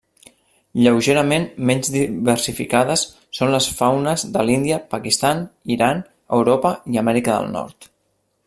Lleugerament menys diversificades són les faunes de l'Índia, Pakistan, Iran, Europa i Amèrica del Nord.